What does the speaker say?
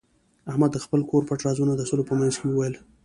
احمد د خپل کور پټ رازونه د سلو په منځ کې وویل.